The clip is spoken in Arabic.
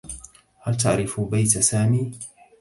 هل تعرف بيت سامي؟